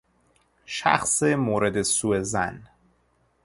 شخص مورد سوظن